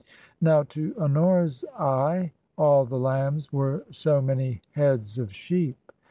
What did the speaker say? Now, to Honora's eye all the lambs were so many heads of sheep.